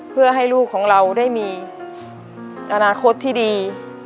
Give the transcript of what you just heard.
เพื่อให้ลูกของเราได้มีอนาคตที่ดี